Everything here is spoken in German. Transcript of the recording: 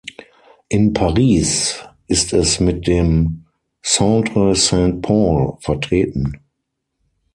In Paris ist es mit dem "Centre Saint-Paul" vertreten.